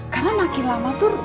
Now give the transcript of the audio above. karena makin lama tuh